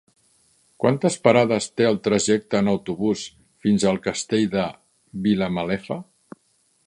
Quantes parades té el trajecte en autobús fins al Castell de Vilamalefa?